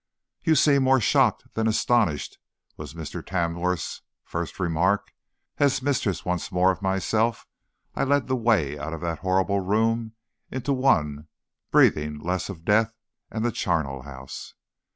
"You seem more shocked than astonished," was Mr. Tamworth's first remark, as, mistress once more of myself, I led the way out of that horrible room into one breathing less of death and the charnel house.